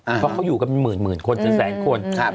เพราะเขาอยู่กับหมื่นคนแสงคน